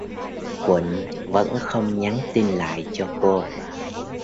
Quận vẫn không nhắn tin lại cho cô